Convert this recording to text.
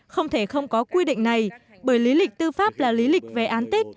không thể không có quy định này bởi lý lịch tư pháp là lý lịch về án tích